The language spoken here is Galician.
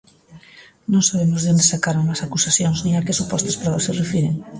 Non sabemos de onde sacaron as acusacións, nin a que supostas probas se refiren.